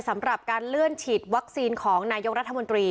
สำหรับการเลื่อนฉีดวัคซีนของนายกรัฐมนตรี